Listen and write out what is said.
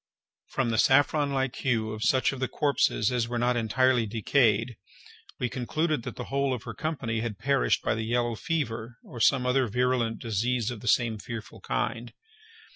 From the saffron like hue of such of the corpses as were not entirely decayed, we concluded that the whole of her company had perished by the yellow fever, or some other virulent disease of the same fearful kind.